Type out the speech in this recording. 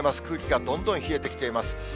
空気がどんどん冷えてきています。